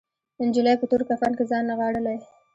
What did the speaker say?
نجلۍ په تور کفن کې ځان نغاړلی